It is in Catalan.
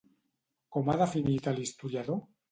Com ha definit a l'historiador?